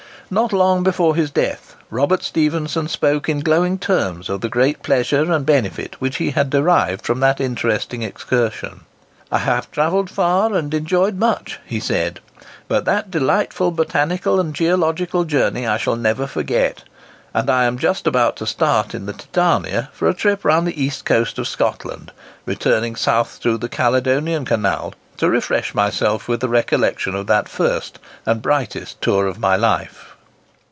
Not long before his death, Robert Stephenson spoke in glowing terms of the great pleasure and benefit which he had derived from that interesting excursion. "I have travelled far, and enjoyed much," he said; "but that delightful botanical and geological journey I shall never forget; and I am just about to start in the Titania for a trip round the east coast of Scotland, returning south through the Caledonian Canal, to refresh myself with the recollection of that first and brightest tour of my life."